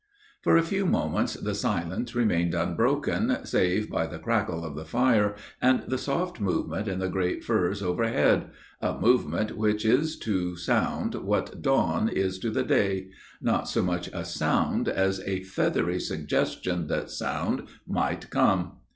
For a few moments, the silence remained unbroken, save by the crackle of the fire and the soft movement in the great firs overhead, a movement which is to sound what dawn is to the day; not so much a sound as a feathery suggestion that sound might come.